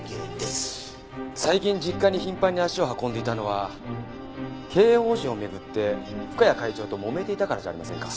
最近実家に頻繁に足を運んでいたのは経営方針を巡って深谷会長ともめていたからじゃありませんか？